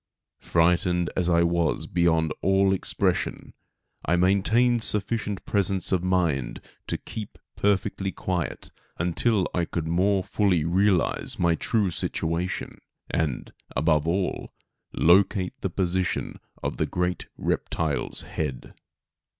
Frightened as I was beyond all expression, I maintained sufficient presence of mind to keep perfectly quiet until I could more fully realize my true situation and, above all, locate the position of the great reptile's head.